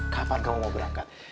kapan kamu mau berangkat